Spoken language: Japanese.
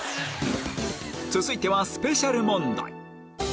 続いてはスペシャル問題